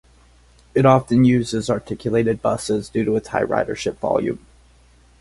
It often uses articulated buses due to its high ridership volume.